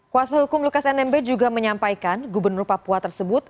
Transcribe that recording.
kuasa hukum lukas nmb juga menyampaikan gubernur papua tersebut